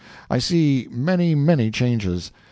I see many, many changes.